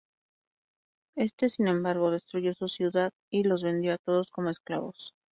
Éste, sin embargo, destruyó su ciudad y los vendió a todos como esclavos.